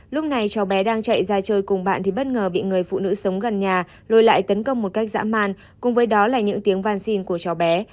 lúc này cháu bé đang chạy ra chơi cùng bạn thì bất ngờ bị người phụ nữ sống gần nhà rồi lại tấn công một cách dã man cùng với đó là những tiếng vang xin của cháu bé